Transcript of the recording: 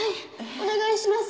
お願いします